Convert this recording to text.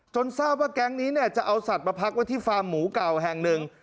ทราบว่าแก๊งนี้เนี่ยจะเอาสัตว์มาพักไว้ที่ฟาร์มหมูเก่าแห่งหนึ่ง